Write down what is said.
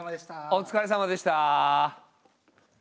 お疲れさまでした。